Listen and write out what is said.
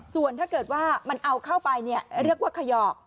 ส่วนถ้าเกิดว่ามันเอาเข้าไปเรียกว่าขยอก